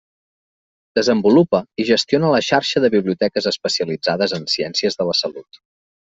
Desenvolupa i gestiona la Xarxa de Biblioteques Especialitzades en Ciències de la Salut.